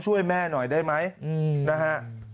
ช่วยแม่หน่อยได้ไหมนะฮะ